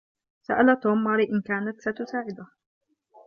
سأل توم ماري إن كانت ستساعده.